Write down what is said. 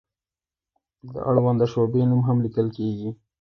د اړونده شعبې نوم هم لیکل کیږي.